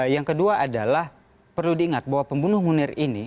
yang kedua adalah perlu diingat bahwa pembunuh munir ini